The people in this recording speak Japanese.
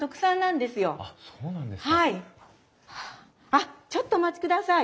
あっちょっとお待ちください。